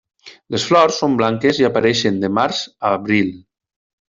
Les flors són blanques i apareixen de març a abril.